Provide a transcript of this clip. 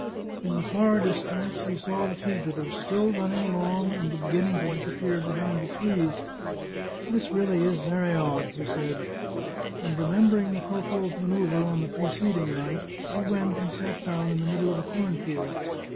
In the far distance he saw the fugitives still running along and beginning to disappear behind the trees. " This really is very odd," he said. And remembering the corporal's manoeuvre on the preceding night, he went and sat down in the middle of a cornfield.